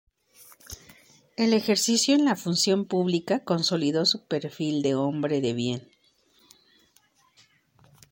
El ejercicio en la función pública consolidó su perfil de hombre de bien.